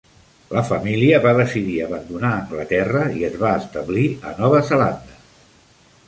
La família va decidir abandonar Anglaterra i es va establir a Nova Zelanda.